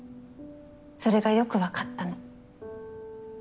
それがよくわかったの。